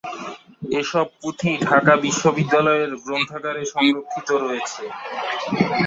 এসব পুথি ঢাকা বিশ্ববিদ্যালয়ের গ্রন্থাগারে সংরক্ষিত রয়েছে।